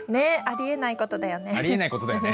ありえない事だよね？